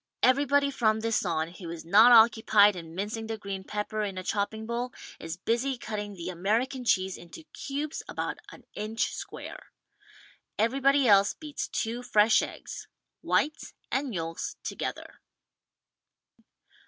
Everybody from this on who is not occupied in mincing the green pepper in a chopping bowl is busy cutting the American cheese into cubes about an inch square. Everybody else beats two fresh eggs — whites and yolks together.